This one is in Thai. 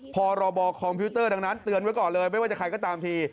พรบคอมพิวเตอร์ดังนั้นเตือนไว้ก่อนเลยไม่ว่าจะใครก็ตามที